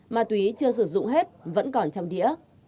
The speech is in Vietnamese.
ma túy chưa sử dụng hết vẫn còn trong đĩa